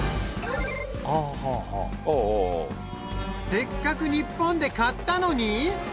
せっかく日本で買ったのに？